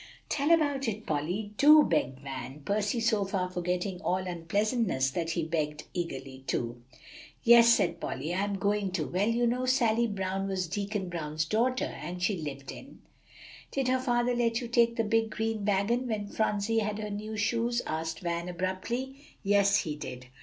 "Tell about it, Polly, do!" begged Van, Percy so far forgetting all unpleasantness that he begged eagerly too. "Yes," said Polly; "I am going to. Well, you know Sally Brown was Deacon Brown's daughter, and she lived in" "Did her father let you take the big green wagon when Phronsie had her new shoes?" asked Van abruptly. "Yes, he did."